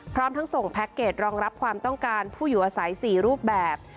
พร้อมทั้งส่งแพ็คเกจรองรับความต้องการผู้อยู่อาศัย๔รูปแบบ